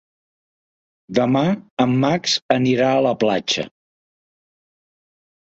Demà en Max anirà a la platja.